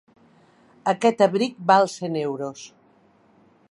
Aquest abric val cent euros.